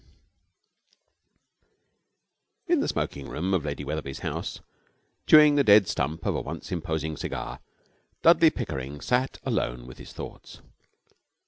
20 In the smoking room of Lady Wetherby's house, chewing the dead stump of a once imposing cigar, Dudley Pickering sat alone with his thoughts.